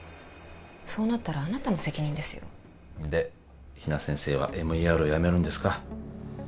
そうなったらあなたの責任ですよで比奈先生はＭＥＲを辞めるんですか？